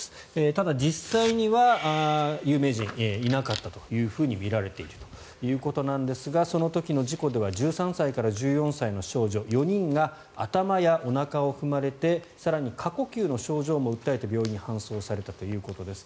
ただ、実際には有名人はいなかったとみられているということなんですがその時の事故では１３歳から１４歳の少女４人が頭やおなかを踏まれて更に過呼吸の症状も訴えて病院に搬送されたということです。